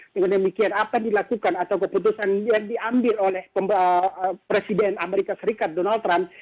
dengan demikian apa yang dilakukan atau keputusan yang diambil oleh presiden amerika serikat donald trump